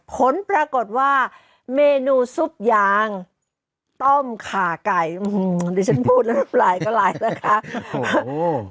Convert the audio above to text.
ผลปรากฏว่าเมนูซุปยางต้มขาไก่ดิฉันพูดแล้วปลายก็หลายนะคะ